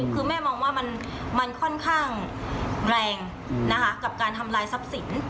คือแม่มองว่ามันค่อนข้างแรงนะคะกับการทำลายทรัพย์สิน